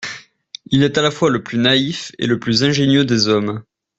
Il est à la fois le plus naïf et le plus ingénieux des hommes.